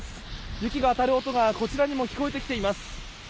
雪が当たる音がこちらにも聞こえてきています。